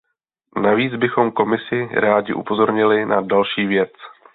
Navíc bychom Komisi rádi upozornili na další věc.